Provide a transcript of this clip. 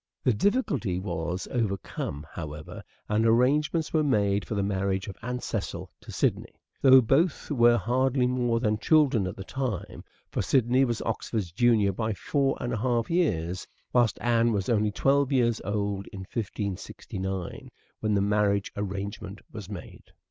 The difficulty was over come, however, and arrangements were made for the marriage of Anne Cecil to Sidney, though both were hardly more than children at the time ; for Sidney was Oxford's junior by four and a half years, whilst Anne was only 12 years old in 1569 when the marriage arrangement was made.